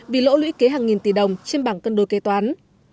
vì lỗ lũy kế hàng nghìn tỷ đồng trên bảng cân đối kế toán